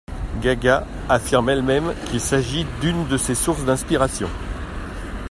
Gaga affirme elle-même qu’il s’agissait d’une de ses sources d'inspiration.